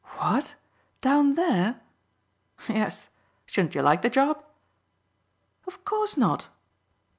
"What! Down there?" "Yes. Shouldn't you like the job?" "Of course not."